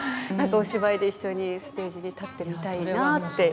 お芝居で一緒にステージに立ってみたいなって。